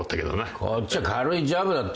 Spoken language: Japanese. こっちは軽いジャブだったんだよ。